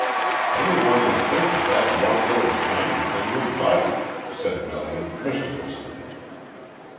"Any one would think that that rum little shining thing would bite," said Melian, mischievously.